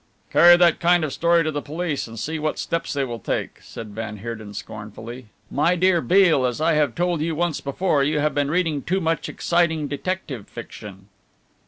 "Carry that kind of story to the police and see what steps they will take," said van Heerden scornfully. "My dear Mr. Beale, as I have told you once before, you have been reading too much exciting detective fiction."